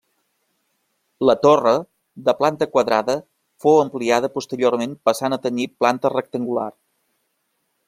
La torre, de planta quadrada fou ampliada posteriorment passant a tenir planta rectangular.